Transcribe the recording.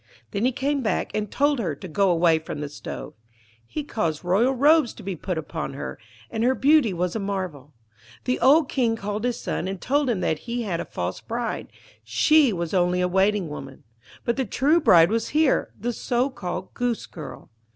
Then he came back, and told her to go away from the stove. He caused royal robes to be put upon her, and her beauty was a marvel. The old King called his son, and told him that he had a false bride she was only a Waiting woman; but the true bride was here, the so called Goosegirl.